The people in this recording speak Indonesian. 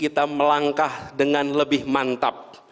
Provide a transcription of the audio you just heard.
kita melangkah dengan lebih mantap